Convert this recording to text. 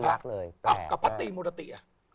ขอนน้ำคราวคำลักไรแปลกมาก